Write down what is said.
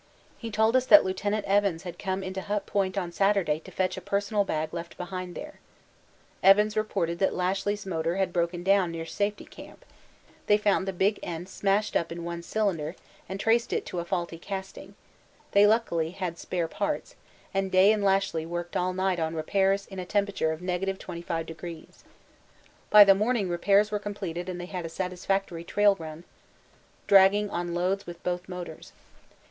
He told us that (Lieut.) Evans had come into Hut Point on Saturday to fetch a personal bag left behind there. Evans reported that Lashly's motor had broken down near Safety Camp; they found the big end smashed up in one cylinder and traced it to a faulty casting; they luckily had spare parts, and Day and Lashly worked all night on repairs in a temperature of 25°. By the morning repairs were completed and they had a satisfactory trial run, dragging on loads with both motors.